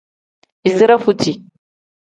Izire futi.